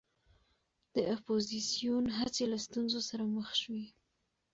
د اپوزېسیون هڅې له ستونزو سره مخ شوې.